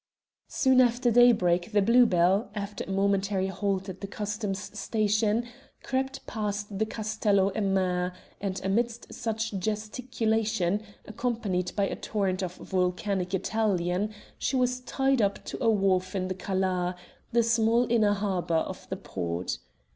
Soon after daybreak the Blue Bell, after a momentary halt at the Customs Station, crept past the Castello a Mare, and amidst much gesticulation, accompanied by a torrent of volcanic Italian, she was tied up to a wharf in the Cala the small inner harbour of the port.